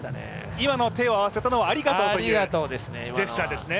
今の手を合わせたのは「ありがとう」のジェスチャーですね。